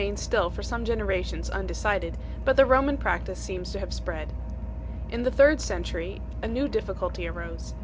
The question remained still for some generations un decided, but the Roman practice seems to have spread. In the third century a new difficulty arose.